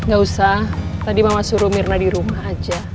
gak usah tadi mama suruh mirna dirumah aja